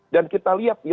dan kita lihat